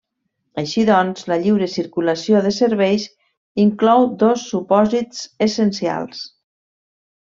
Així doncs, la lliure circulació de serveis inclou dos supòsits essencials.